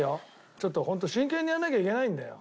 ちょっとホント真剣にやらなきゃいけないんだよ。